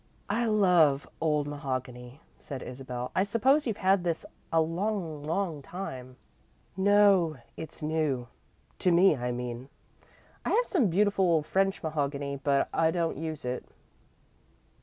"I love old mahogany," continued Isabel. "I suppose you've had this a long, long time." "No, it's new. To me I mean. I have some beautiful old French mahogany, but I don't use it."